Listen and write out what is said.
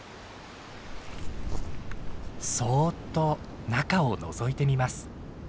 そっと中をのぞいてみます。